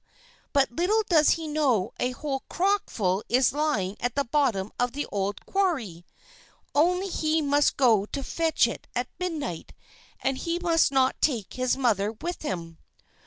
But little does he know that a whole crock full is lying at the bottom of the old quarry. Only he must go to fetch it at midnight, and he must not take his mother with him."